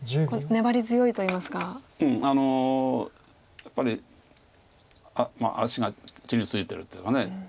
やっぱり足が地に着いてるというか。